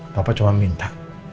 bapak cuma minta